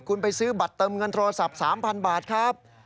คุณไปซื้อบัตรเติมเงินโทรศัพท์๓๐๐บาทครับ